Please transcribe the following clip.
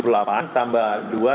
berapa orang warga negara sih pak